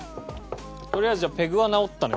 とりあえずじゃあペグは直ったね